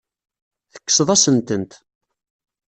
Tekkseḍ-asen-tent.